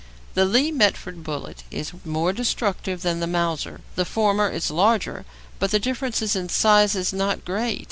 The Lee Metford bullet is more destructive than the Mauser. The former is the larger, but the difference in size is not great.